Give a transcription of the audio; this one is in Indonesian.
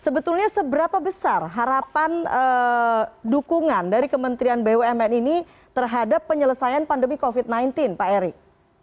sebetulnya seberapa besar harapan dukungan dari kementerian bumn ini terhadap penyelesaian pandemi covid sembilan belas pak erik